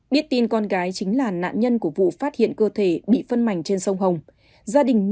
biết tin con gái chính là nạn nhân của vụ phát hiện cơ thể bị phân mảnh trên sông hồng gia đình